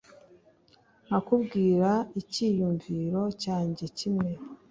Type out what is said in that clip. nkakubwira icyiyumviro cyanjye kimwe